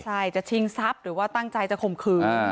ใช่จะชิงทรัพย์หรือว่าตั้งใจจะข่มขืน